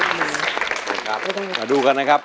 มาดูกันนะครับ